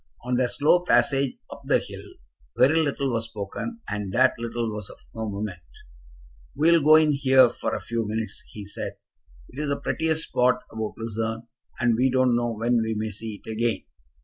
On their slow passage up the hill very little was spoken, and that little was of no moment. "We will go in here for a few minutes," he said. "It is the prettiest spot about Lucerne, and we don't know when we may see it again."